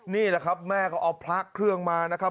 นี่แหละครับแม่ก็เอาพระเครื่องมานะครับ